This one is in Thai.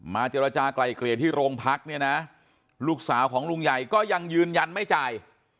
เจรจากลายเกลี่ยที่โรงพักเนี่ยนะลูกสาวของลุงใหญ่ก็ยังยืนยันไม่จ่าย